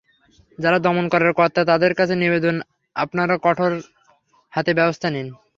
যাঁরা দমন করার কর্তা, তাঁদের কাছে নিবেদন, আপনারা কঠোর হাতে ব্যবস্থা নিন।